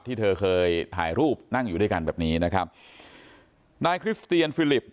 ที่เธอเคยถ่ายรูปนั่งอยู่ด้วยกันแบบนี้นะครับนายคริสเตียนฟิลิป